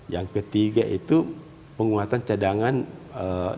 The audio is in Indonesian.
yang ketiga itu penguatan cadangan dan logam